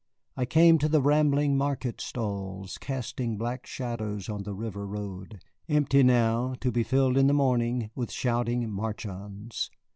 I came to the rambling market stalls, casting black shadows on the river road, empty now, to be filled in the morning with shouting marchands.